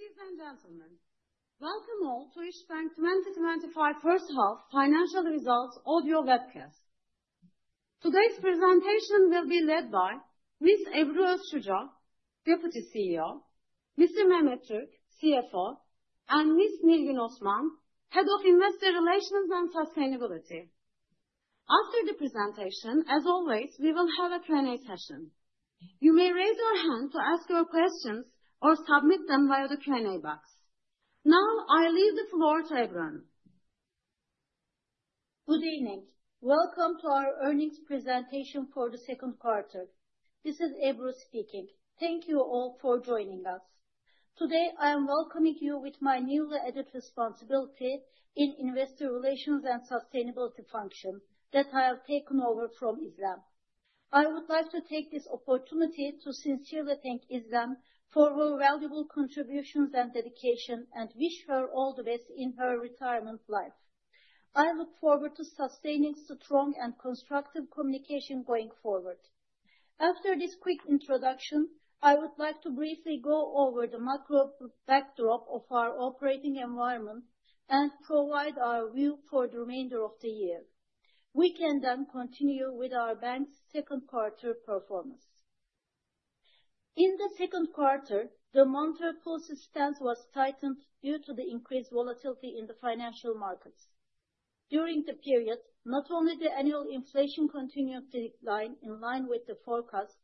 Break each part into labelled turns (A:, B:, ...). A: Ladies and Gentlemen, welcome all to Türkiye Is Bankasi 2025 conference call,, Financial Results Audio Webcast. Today's presentation will be led by Ms. Izlem Erdem, CEO, Mr. Mehmet Türk, CFO, and Ms. Nilgün Yosef Osman, Head of Investor Relations and Sustainability. After the presentation, as always, we will have a Q and A session. You may raise your hand to ask your questions or submit them via the Q&A box. Now I leave the floor to Izlem. Good evening.
B: Welcome to our earnings presentation for the second quarter. This is Izlem speaking. Thank you all for joining us today. I am welcoming you with my newly added responsibility in Investor Relations and Sustainability function that I have taken over from İzlem. I would like to take this opportunity to sincerely thank İzlem for her valuable contributions and dedication and wish her all the best in her retirement life. I look forward to sustaining and constructive communication going forward. After this quick introduction, I would like to briefly go over the macro backdrop of our operating environment and provide our view for the remainder of the year. We can then continue with our bank's second quarter performance. In the second quarter, the monetary policy stance was tightened due to the increased volatility in the financial markets during the period. Not only the annual inflation continued decline in line with the forecast,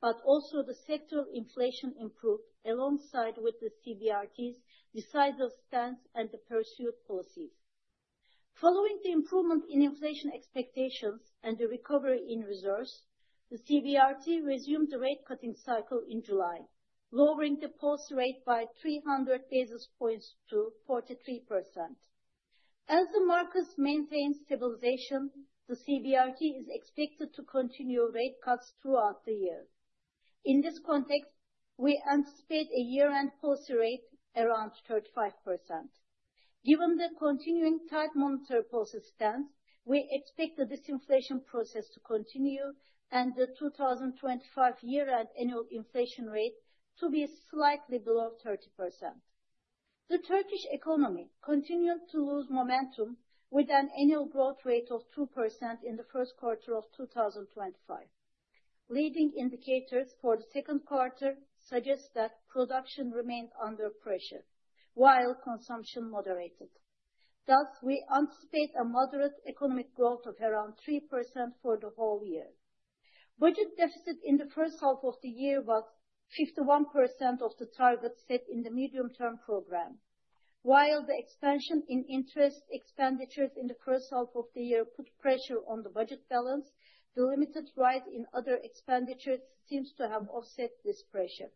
B: but also the sector inflation improved alongside with the CBRT's decisive stance and the pursuit policies. Following the improvement in inflation expectations and a recovery in reserves, the CBRT resumed the rate cutting cycle in July, lowering the policy rate by 300 basis points to 43%. As the markets maintain stabilization, the CBRT is expected to continue rate cuts throughout the year. In this context, we anticipate a year end policy rate around 35%. Given the continuing tight monetary policy stance, we expect the disinflation process to continue and the 2025 year annual inflation rate to be slightly below 30%. The Turkish economy continued to lose momentum with an annual growth rate of 2% in the first quarter of 2025. Leading indicators for the second quarter suggest that production remained under pressure while consumption moderated. Thus, we anticipate a moderate economic growth of around 3% for the whole year. Budget deficit in the first half of the year was 51% of the target set in the medium term program. While the expansion in interest expenditures in the first half of the year could pressure on the budget balance, the limited rise in other expenditures seems to have offset this pressure.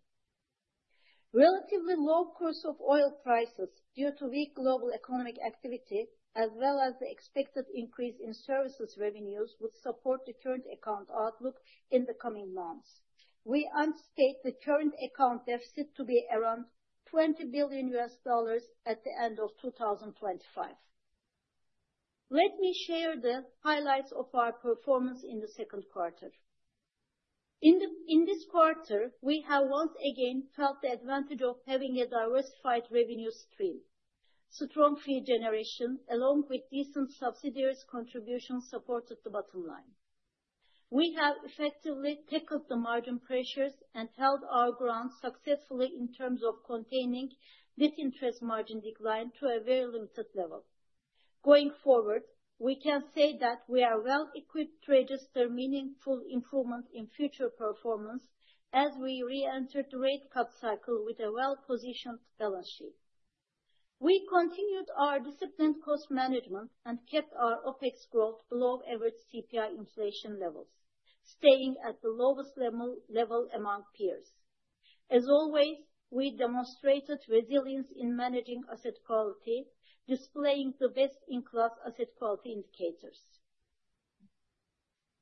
B: Relatively low cost of oil prices due to weak global economic activity as well as the expected increase in services revenues would support the current account outlook in the coming months. We anticipate the current account deficit to be around $20 billion at the end of 2025. Let me share the highlights of our performance in the second quarter. In this quarter, we have once again felt the advantage of having a diversified revenue stream. Strong fee generation, along with decent subsidiaries' contributions, supported the bottom line. We have effectively tackled the margin pressures and held our ground successfully in terms of containing the net interest margin decline to a very limited level. Going forward, we can say that we are well-equipped traders for meaningful improvement in future performance. As we re-entered the rate cut cycle with a well-positioned balance sheet, we continued our disciplined cost management and kept our OpEx growth below average CPI inflation levels, staying at the lowest level among peers. As always, we demonstrated resilience in managing asset quality, displaying the best-in-class asset quality indicators.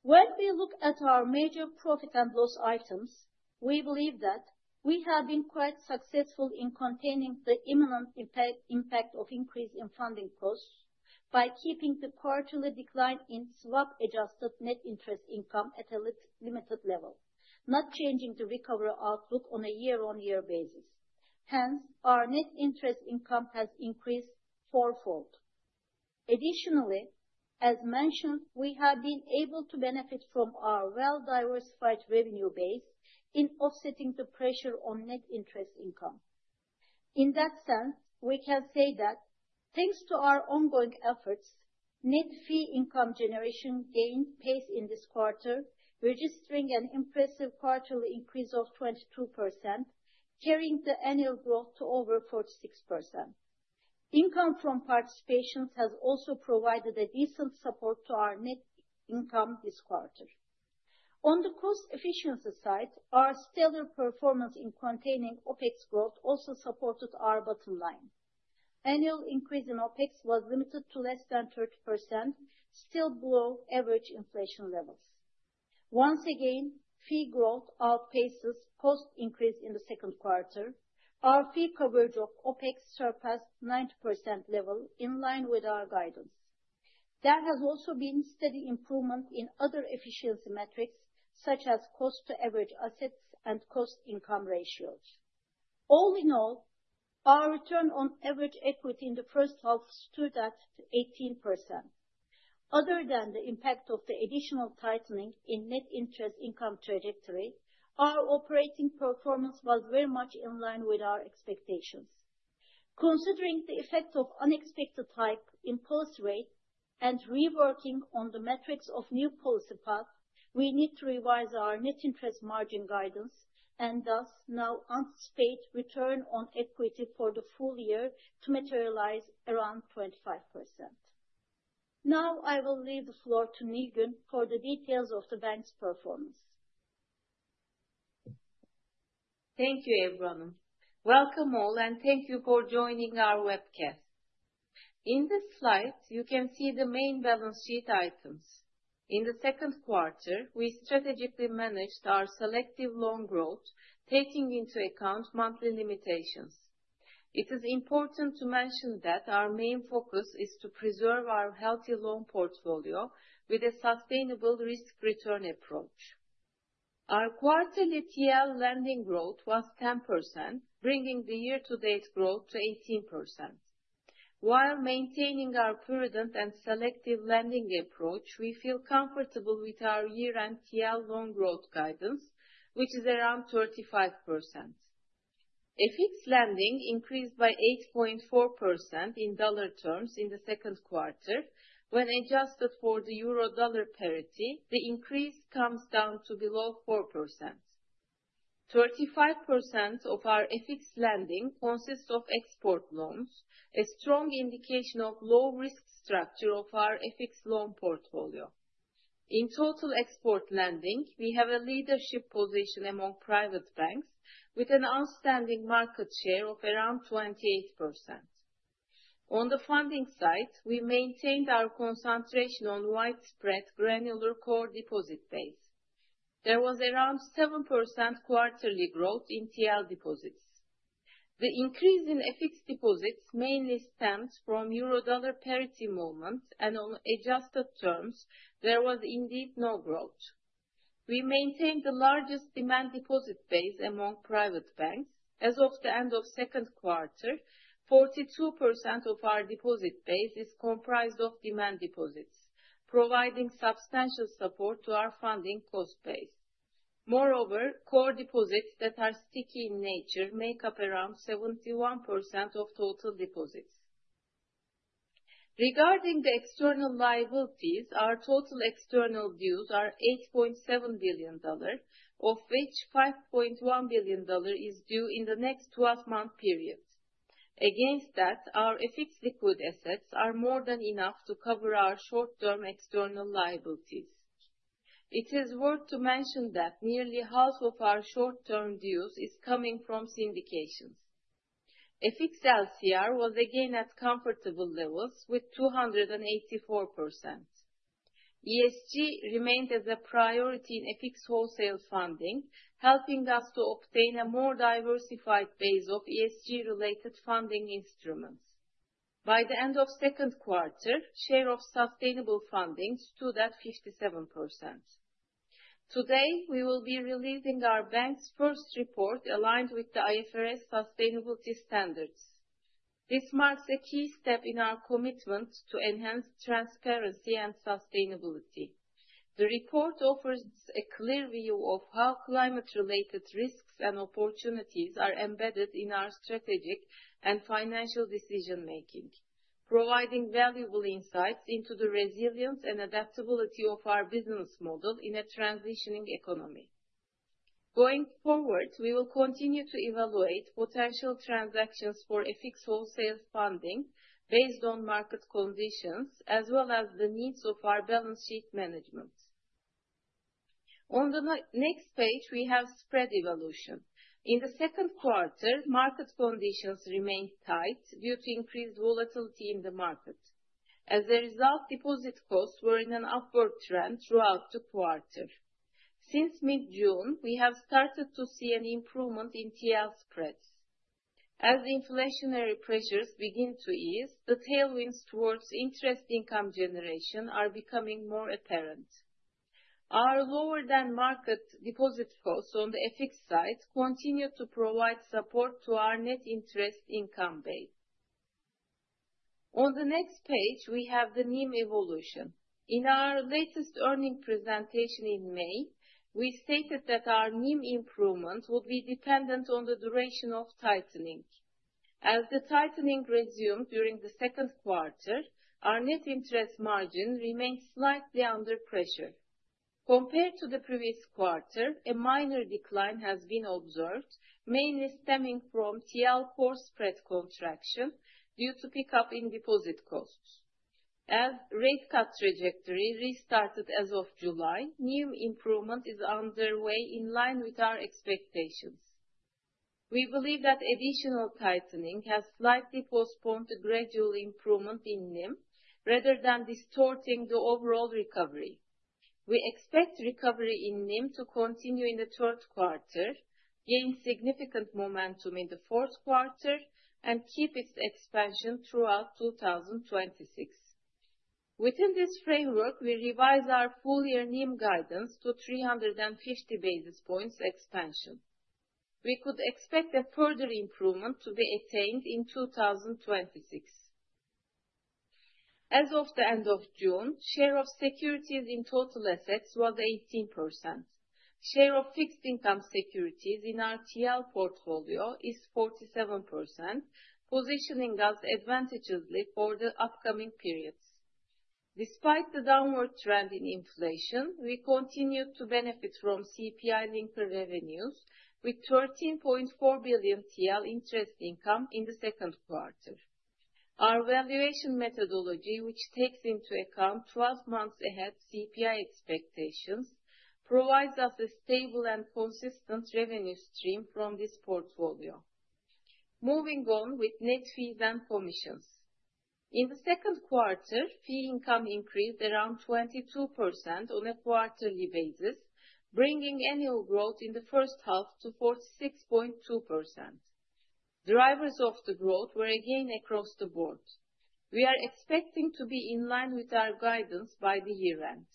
B: When we look at our major profit and loss items, we believe that we have been quite successful in containing the imminent impact of increase in funding costs by keeping the quarterly decline in swap-adjusted net interest income at a limited level, not changing the recovery outlook on a year-on-year basis. Hence, our net interest income has increased fourfold. Additionally, as mentioned, we have been able to benefit from our well-diversified revenue base in offsetting the pressure on net interest income. In that sense, we can say that thanks to our ongoing efforts, net fee income generation gained pace in this quarter, registering an impressive partial increase of 22%, carrying the annual growth to over 46%. Income from participations has also provided a decent support to our net income this quarter. On the cost efficiency side, our stellar performance in containing OpEx growth also supported our bottom line. Annual increase in OpEx was limited to less than 30%, still below average inflation levels. Once again, fee growth outpaces cost increase. In the second quarter, our fee coverage of OpEx surpassed 90% level. In line with our guidance, there has also been steady improvement in other efficiency metrics such as cost to average assets and cost income ratios. All in all, our return on average equity in the first half stood at 18%. Other than the impact of the additional tightening in net interest income trajectory, our operating performance was very much in line with our expectations. Considering the effect of unexpected hike, impulse rate, and reworking on the metrics of new policy path. We need to revise our net interest margin guidance and thus now anticipate return on equity for the full year to materialize around 25%. Now I will leave the floor to Nilgün for the details of the bank's performance.
C: Thank you everyone. Welcome all and thank you for joining our webcast. In this slide you can see the main balance sheet items. In the second quarter we strategically managed our selective loan growth, taking into account monthly limitations. It is important to mention that our main focus is to preserve our healthy loan portfolio with a sustainable risk return approach. Our quarterly TL lending growth was 10%, bringing the year-to-date growth to 18%. While maintaining our prudent and selective lending approach, we feel comfortable with our year-end, year-long loan growth guidance, which is around 35%. FX lending increased by 8.4% in dollar terms in the second quarter. When adjusted for the euro/dollar parity, the increase comes down to below 4%. 35% of our FX lending consists of export loans, a strong indication of the low risk structure of our FX loan portfolio. In total export lending, we have a leadership position among private banks with an outstanding market share of around 28%. On the funding side, we maintained our concentration on a widespread, granular core deposit base. There was around 7% quarterly growth in TL deposits. The increase in FX deposits mainly stems from Eurodollar parity movements, and on adjusted terms there was indeed no growth. We maintained the largest demand deposit base among private banks. As of the end of the second quarter, 42% of our deposit base is comprised of demand deposits, providing substantial support to our funding cost base. Moreover, core deposits that are sticky in nature make up around 71% of total deposits. Regarding the external liabilities, our total external dues are $8.7 billion, of which $5.1 billion is due in the next 12-month period. Against that, our FX liquid assets are more than enough to cover our short-term external liabilities. It is worth mentioning that nearly half of our short-term dues is coming from syndications. FX LCR was again at comfortable levels with 284%. ESG remained as a priority in FX wholesale funding, helping us to obtain a more diversified base of ESG-related funding instruments. By the end of the second quarter, the share of sustainable funding stood at 57%. Today we will be releasing our bank's first report aligned with the IFRS sustainability standards. This marks a key step in our commitment to enhance transparency and sustainability. The report offers a clear view of how climate-related risks and opportunities are embedded in our strategic and financial decision-making, providing valuable insights into the resilience and adaptability of our business model in a transitioning economy. Going forward, we will continue to evaluate potential transactions for FX wholesale funding based on market conditions as well as the needs of our balance sheet management. On the next page, we have spread evolution. In the second quarter, market conditions remained tight due to increased volatility in the market. As a result, deposit costs were in an upward trend throughout the quarter. Since mid-June, we have started to see an improvement in TL spreads. As inflationary pressures begin to ease, the tailwinds towards interest income generation are becoming more apparent. Our lower-than-market deposit costs on the FX side continue to provide support to our net interest income base. On the next page, we have the NIM evolution. In our latest earnings presentation in May, we stated that our NIM improvement would be dependent on the duration of tightening. As the tightening resumed during the second quarter, our net interest margin remained slightly under pressure compared to the previous quarter. A minor decline has been observed, mainly stemming from TL spread contraction due to pickup in deposit costs as rate cut trajectory restarted. As of July, new improvement is underway in line with our expectations. We believe that additional tightening has slightly postponed a gradual improvement in NIM rather than distorting the overall recovery. We expect recovery in NIM to continue in the third quarter, gain significant momentum in the fourth quarter, and keep its expansion throughout 2026. Within this framework, we revised our full-year NIM guidance to 350 basis points expansion. We could expect a further improvement to be attained in 2026. As of the end of June, share of securities in total assets was 18%. Share of fixed income securities in TL portfolio is 47%, positioning us advantageously for the upcoming periods. Despite the downward trend in inflation, we continue to benefit from CPI linker revenues with 13.4 billion TL interest income in the second quarter. Our valuation methodology, which takes into account 12 months ahead CPI expectations, provides us a stable and consistent revenue stream from this portfolio. Moving on with net fees and commissions in the second quarter, fee income increased around 22% on a quarterly basis, bringing annual growth in the first half to 46.2%. Drivers of the growth were again across the board. We are expecting to be in line with our guidance by the year end.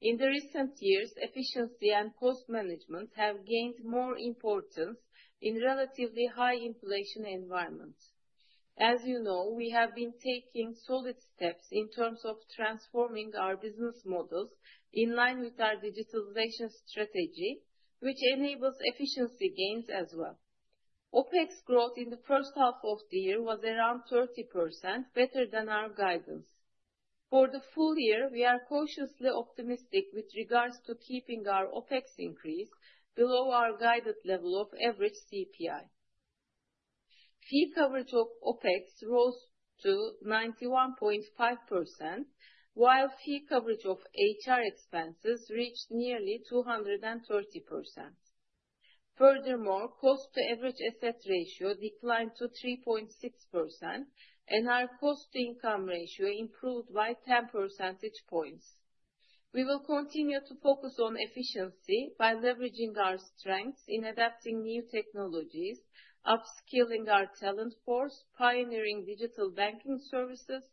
C: In recent years, efficiency and cost management have gained more importance in a relatively high inflation environment. As you know, we have been taking solid steps in terms of transforming our business models in line with our digitalization strategy, which enables efficiency gains as well. OpEx growth in the first half of the year was around 30%, better than our guidance for the full year. We are cautiously optimistic with regards to keeping our OpEx increase below our guided level of average. CPI fee coverage of OpEx rose to 91.5% while fee coverage of HR expenses reached nearly 230%. Furthermore, cost to average asset ratio declined to 3.6% and our cost to income ratio improved by 10 percentage points. We will continue to focus on efficiency by leveraging our strengths in adopting new technologies, upskilling our talent force, pioneering digital banking services,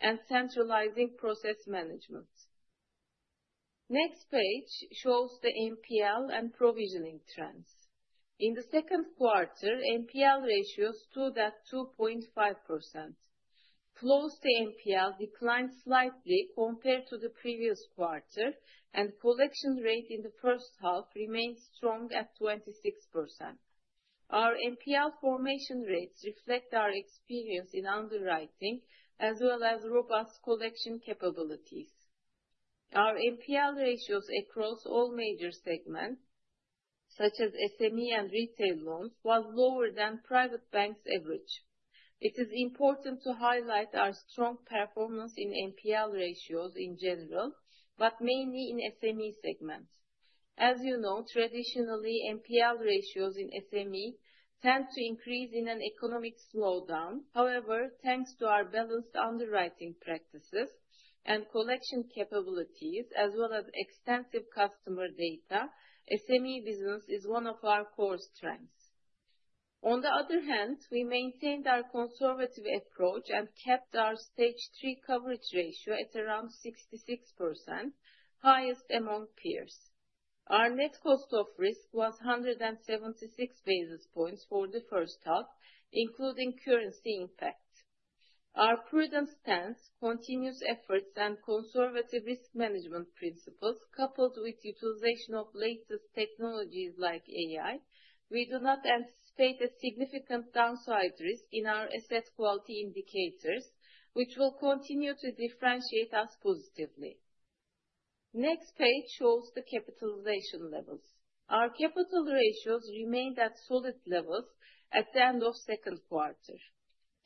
C: and centralizing process management. The next page shows the NPL and provisioning trends. In the second quarter, NPL ratio stood at 2.5%. Closed NPL declined slightly compared to the previous quarter and collection rate in the first half remains strong at 26%. Our NPL formation rates reflect our experience in underwriting as well as robust collection capabilities. Our FEL ratios across all major segments such as SME and retail loans were lower than private banks' average. It is important to highlight our strong performance in NPL ratios in general but mainly in the SME segment. As you know, traditionally, NPL ratios in SME tend to increase in an economic slowdown. However, thanks to our balanced underwriting practices and collection capabilities as well as extensive customer data, SME business is one of our core strengths. On the other hand, we maintained our conservative approach and kept our stage 3 coverage ratio at around 66%, highest among peers. Our net cost of risk was 176 basis points for the first half including currency impact, our prudent stance, continuous efforts, and conservative risk management principles coupled with utilization of latest technologies like AI. We do not anticipate a significant downside risk in our asset quality indicators, which will continue to differentiate us both positively. Next page shows the capitalization levels. Our capital ratios remained at solid levels at the end of second quarter.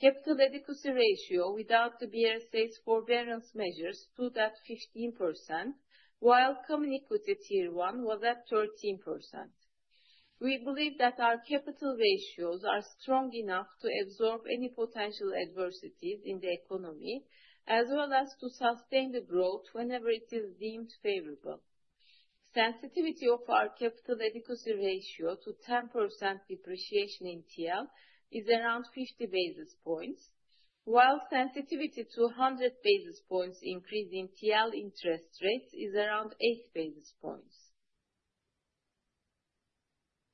C: Capital adequacy ratio without the BRSA's forbearance measures stood at 15% while Common Equity Tier 1 was at 13%. We believe that our capital ratios are strong enough to absorb any potential adversities in the economy as well as to sustain the growth whenever it is deemed favorable. Sensitivity of our capital adequacy ratio to 10% depreciation in TL is around 50 basis points, while sensitivity to 100 basis points increase in TL interest rates is around 8 basis points.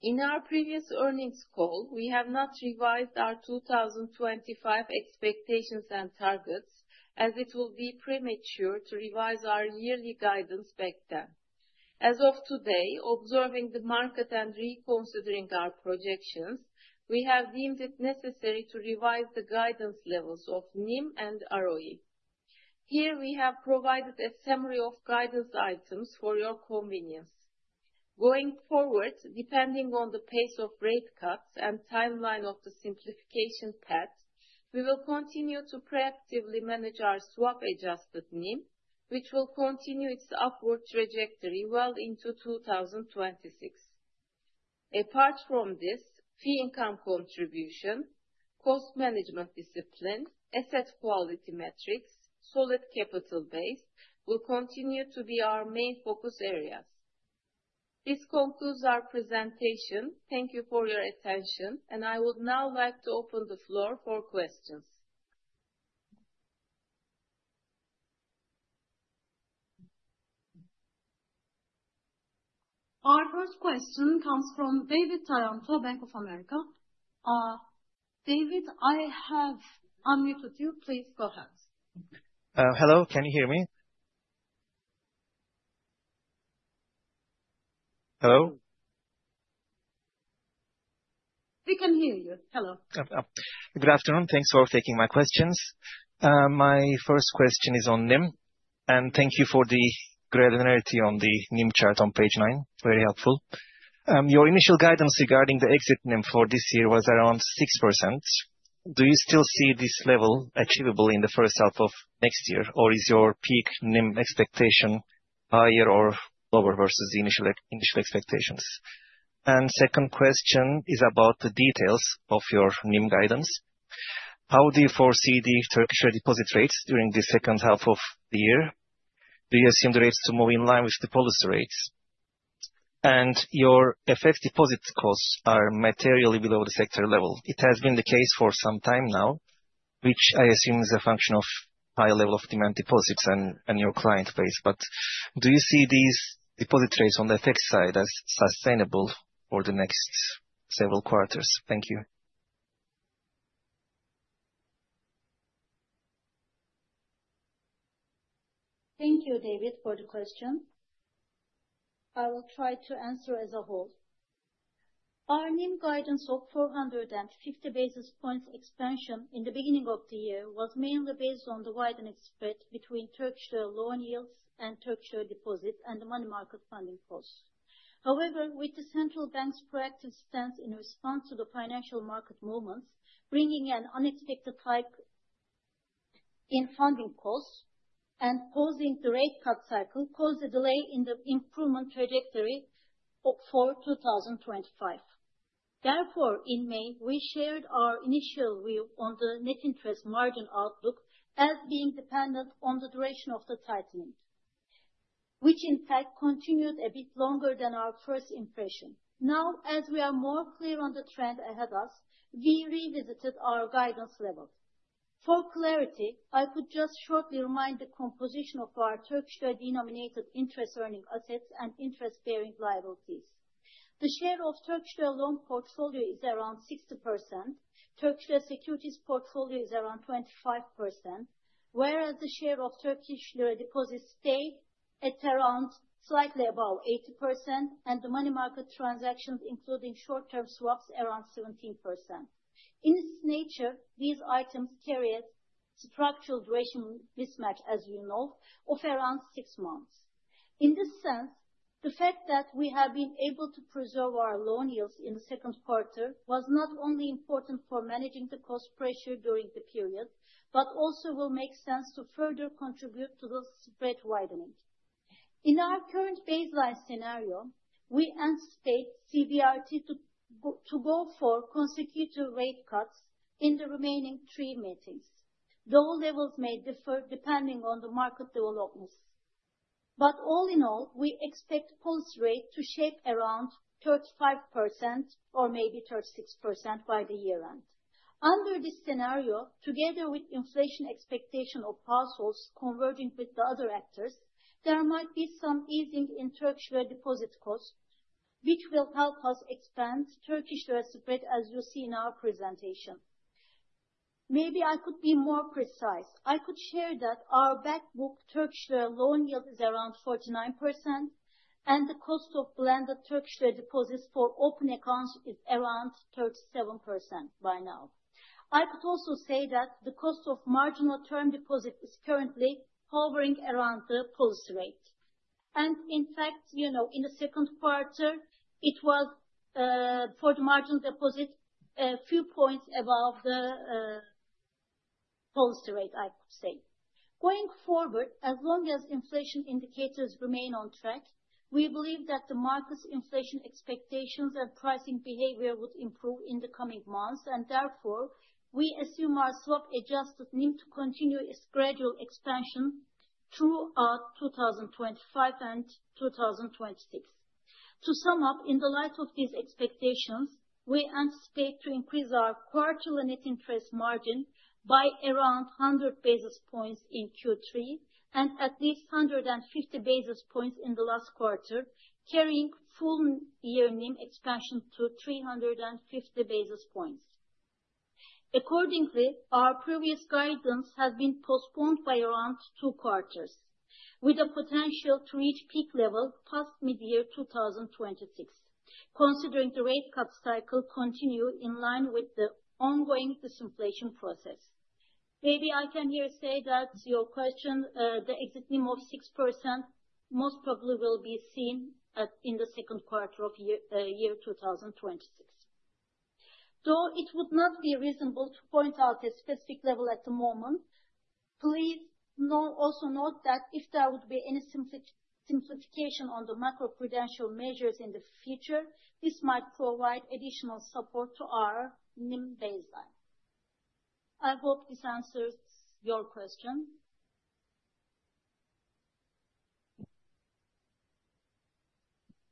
C: In our previous earnings call, we have not revised our 2020 expectations and targets as it will be premature to revise our yearly guidance spectrum as of today. Observing the market and reconsidering our projections, we have deemed it necessary to revise the guidance levels of NIM and ROE. Here we have provided a summary of guidance items for your convenience going forward. Depending on the pace of rate cuts and timeline of the simplification, we will continue to proactively manage our swap adjusted NIM, which will continue its upward trajectory well into 2026. Apart from this, fee income contribution, cost management discipline, asset quality metrics, solid capital base will continue to be our main focus areas. This concludes our presentation. Thank you for your attention. I would now like to open the floor for questions.
A: Our first question comes from David Taranto, Bank of America. David, I have unmuted you. Please go ahead.
D: Hello, can you hear me? Hello.
C: We can hear you. Hello.
D: Good afternoon. Thanks for taking my questions. My first question is on NIM, and thank you for the graduality on the NIM chart on page nine. Very helpful. Your initial guidance regarding the exit NIM for this year was around 6%. Do you still see this level achievable in the first half of next year? Is your peak NIM expectation higher or lower versus the initial expectations? My second question is about the details of your NIM guidance. How do you foresee the Turkish deposit rates during the second half of the year? Do you assume the rates to move in line with the policy rates, and your FX deposit costs are materially below the sector level? It has been the case for some time now, which I assume is a function of high level of demand deposits and your client base. Do you see these deposit rates on the FX side as sustainable for the next several quarters? Thank you.
B: Thank you, David, for the question. I will try to answer as a whole. Our NIM guidance of 450 basis points expansion in the beginning of the year was mainly based on the widening spread between Turkish loan yields and Turkish lira deposits and the money market funding costs. However, with the Central Bank's practice stance in response to the financial market movements bringing an unexpected hike in funding costs and pausing the rate cut cycle, it caused a delay in the improvement trajectory. Therefore, in May we shared our initial view on the net interest margin outlook as being dependent on the duration of the tightening, which in fact continued a bit longer than our first impression. Now, as we are more clear on the trend ahead of us, we revisited our guidance level for clarity. I could just shortly remind the composition of our Turkish lira denominated interest earning assets and interest bearing liabilities. The share of Turkish loan portfolio is around 60%, Turkish securities portfolio is around 25%, whereas the share of Turkish lira deposits stay at around slightly above 80% and the money market transactions including short-term swaps around 17%. In its nature, these items carry a structural duration mismatch, as you know, of around six months. In this sense, the fact that we have been able to preserve our loan yields in the second quarter was not only important for managing the cost pressure during the period but also will make sense to further contribute to the rate widening. In our current baseline scenario, we anticipate the CBRT to go for constitutive rate cuts in the remaining three meetings, though levels may differ depending on the market development. All in all, we expect policy rate to shape around 35% or maybe 36% by the year end. Under this scenario, together with inflation expectation of households converging with the other actors, there might be some easing in Turkish deposit costs which will help us expand Turkish real estate as you see in our presentation. Maybe I could be more precise. I could share that our back book Turkish loan yield is around 49% and the cost of lira deposits for open accounts is around 37% by now. I could also say that the cost of marginal term deposit is currently hovering around the policy rate and, in fact, in the second quarter it was for the margin deposit a few points above the policy rate. I say going forward, as long as inflation indicators remain on track, we believe that the market's inflation expectations and pricing behavior would improve in the coming months, and therefore we assume our swap-adjusted NIM to continue its gradual expansion throughout 2025 and 2026. To sum up, in the light of these expectations, we anticipate to increase our quarterly net interest margin by around 100 basis points in Q3 and at least 150 basis points in the last quarter, carrying full-year NIM expansion to 350 basis points. Accordingly, our previous guidance had been postponed by around 2/4, with a potential to reach peak level past mid-year 2026, considering the rate cut cycle continues in line with the ongoing disinflation process. Debbie, I can here say that your question, the exit of 6%, most probably will be seen in the second quarter of year 2026, though it would not be reasonable to foreign out a specific level at the moment. Please also note that if there would be any simplification on the macroprudential measures in the future, this might provide additional support to our NIM baseline. I hope this answers your question.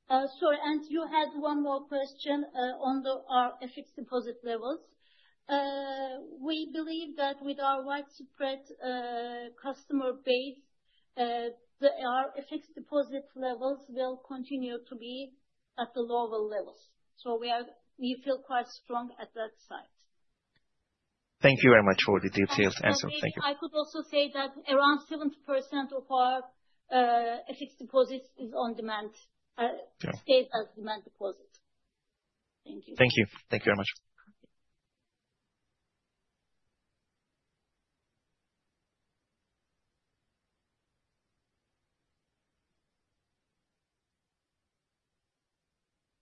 B: Sorry, Ants, you had one more question on the RFX deposit levels. We believe that with our widespread customer base, our FX deposit levels will continue to be at the lower levels. We feel quite strong at that site.
D: Thank you very much for the detailed answer.
B: Thank you. I could also say that around 70% of our FX deposits is on demand deposits. Thank you.
D: Thank you. Thank you very much.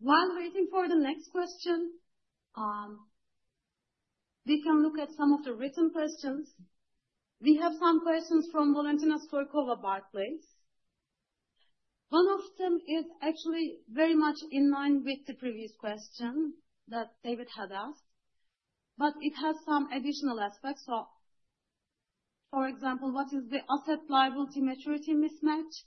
C: While waiting for the next question. We. can look at some of the written questions. We have some questions from Valentina Torkola, Barclays. One of them is actually very much in line with the previous question that David had asked, but it has some additional aspects. For example, what is the asset liability maturity mismatch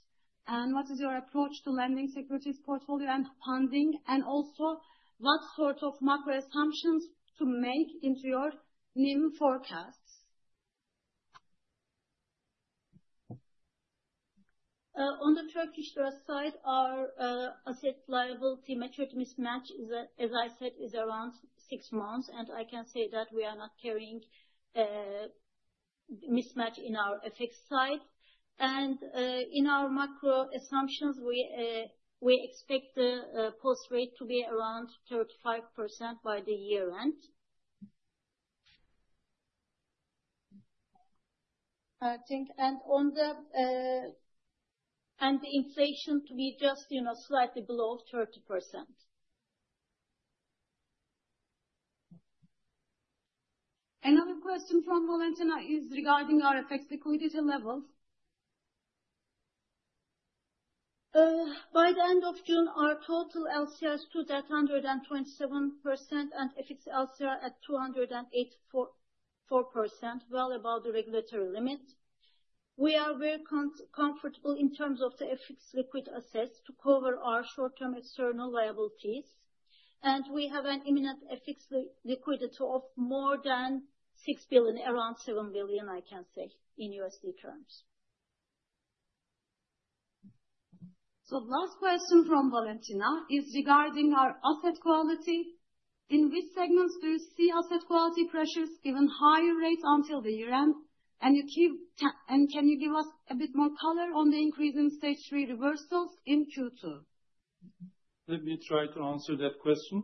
C: and what is your approach to lending, securities, portfolio, and funding? Also, what sort of macro assumptions to make into your new forecasts.
B: On the Turkish lira side, our asset liability metric mismatch, as I said, is around six months, and I can say that we are not carrying mismatch in our FX side and in our macro assumptions. We expect the policy rate to be around 35% by the year end. I think, and the inflation to be just, you know, slightly below 30%.
C: Another question from Valentina is regarding our FX liquidity level.
B: By the end of June, our total LCR stood at 127% and FX LCR at 284.4%, well above the regulatory limit. We are very comfortable in terms of the FX liquid assets to cover our short-term external liabilities, and we have an imminent FX liquidity of more than $6 billion, around $7 billion I can say in USD terms.
C: The last question from Valentina is regarding our asset quality. In which segments do you see asset quality pressures given higher rates until the year end? Can you give us a bit more color on the increase in stage 3 reversals in Q2?
E: Let me try to answer that question.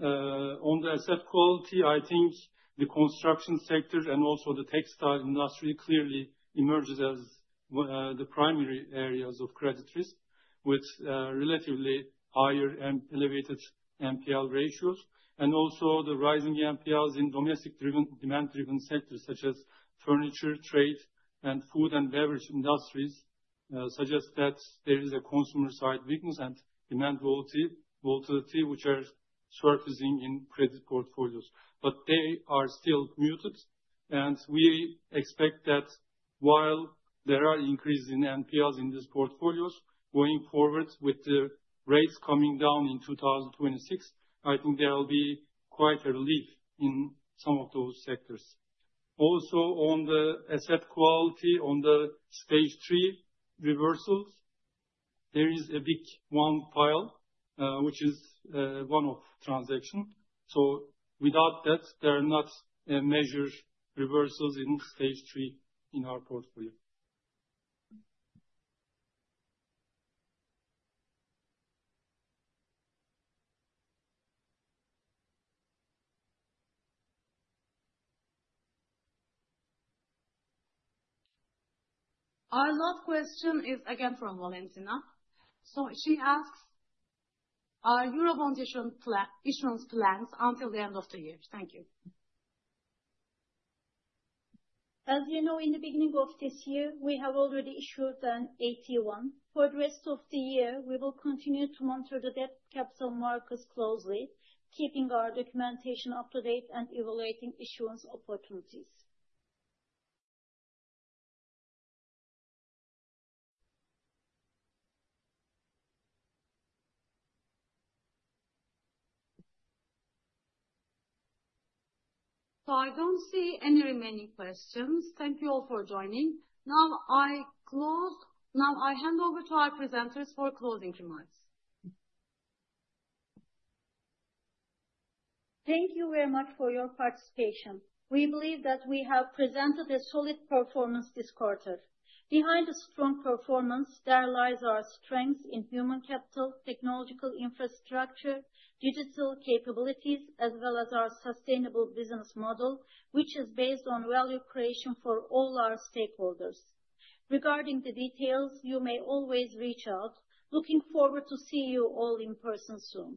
E: On the asset quality, I think the construction sector and also the textile industry clearly emerges as the primary areas of credit risk with relatively higher elevated NPL ratios, and also the rising NPLs in domestic-driven demand-driven sectors such as furniture trade and food and beverage industries suggest that there is a consumer side weakness and demand volatility which are surfacing in credit portfolios, but they are still muted, and we expect that while there are increases in NPLs in these portfolios going forward, with the rates coming down in 2026, I think there will be quite a relief in some of those sectors. Also, on the asset quality, on the stage three reversals, there is a big one-off transaction. Without that, there are not measured reversals in phase three in our portfolio.
C: Our last question is again from Valencina. She asks our Eurobond issuance plans until the end of the year.
B: Thank you. As you know, in the beginning of this year we have already issued an AT1. For the rest of the year, we will continue to monitor the debt capital markets closely, keeping our documentation up to date and evaluating issuance opportunities.
C: I don't see any remaining questions. Thank you all for joining. Now I close. Now I hand over to our presenters for closing remarks.
B: Thank you very much for your participation. We believe that we have presented a solid performance this quarter. Behind a strong performance, there lies our strengths in human capital, technological infrastructure, digital capabilities, as well as our sustainable business model, which is based on value creation for all our stakeholders. Regarding the details, you may always reach out. Looking forward to see you all in person soon.